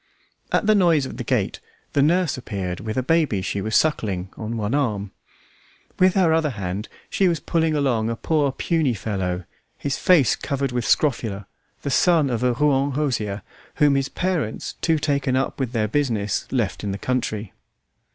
At the noise of the gate the nurse appeared with a baby she was suckling on one arm. With her other hand she was pulling along a poor puny little fellow, his face covered with scrofula, the son of a Rouen hosier, whom his parents, too taken up with their business, left in the country.